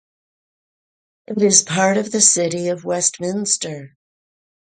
It is part of the City of Westminster.